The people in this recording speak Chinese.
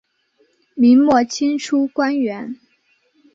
明末清初官员。